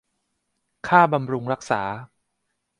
ค่าบำรุงรักษา